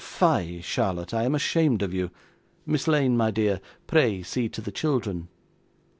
Fie, Charlotte, I am ashamed of you! Miss Lane, my dear, pray see to the children.